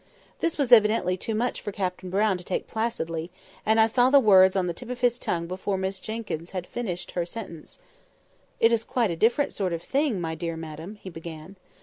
This was evidently too much for Captain Brown to take placidly; and I saw the words on the tip of his tongue before Miss Jenkyns had finished her sentence. "It is quite a different sort of thing, my dear madam," he began.